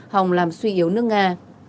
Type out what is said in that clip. hòng làm suy yếu nước nga